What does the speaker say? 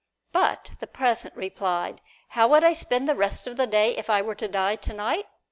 But the peasant replied, "How would I spend the rest of the day if I were to die tonight?